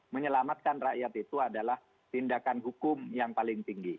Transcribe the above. menyelamatkan rakyat itu adalah tindakan hukum yang paling tinggi